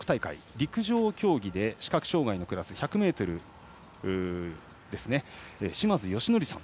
陸上競技で視覚障がいのクラス１００ｍでしまづよしのりさん